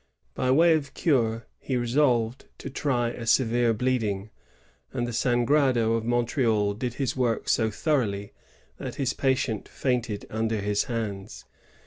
By way of cure he resolved to try a severe bleeding, and the Sangrado of Montreal did his work so thoroughly that his patient fainted under his hands.